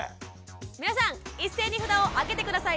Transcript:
皆さん一斉に札をあげて下さい。